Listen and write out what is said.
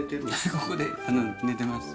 ここで寝てます。